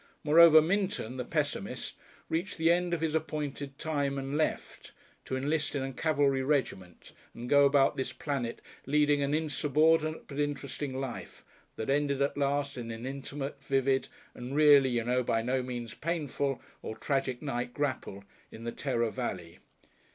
Moreover Minton, the pessimist, reached the end of his appointed time and left to enlist in a cavalry regiment and go about this planet leading an insubordinate but interesting life, that ended at last in an intimate, vivid and really you know by no means painful or tragic night grapple in the Terah Valley.